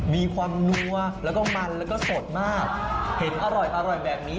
มีความนัวแล้วก็มันแล้วก็สดมากเห็นอร่อยอร่อยแบบนี้